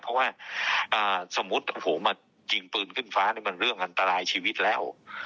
เพราะว่าสมมุติมายิงปืนขึ้นฟ้านี่มันเรื่องอันตรายชีวิตแล้ว